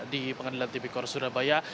di pengadilan tepikor surabaya